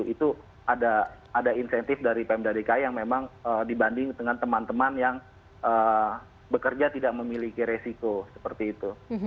itu ada insentif dari pmd dki yang memang dibanding dengan teman teman yang bekerja tidak memiliki resiko seperti itu